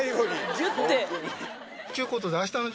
ギュッて。